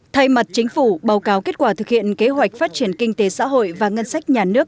thay mặt chính phủ báo cáo kết quả thực hiện kế hoạch phát triển kinh tế xã hội và ngân sách nhà nước